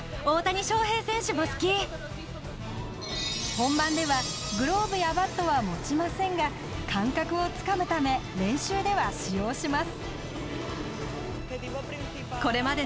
本番では、グローブやバットは持ちませんが感覚をつかむため練習では使用します。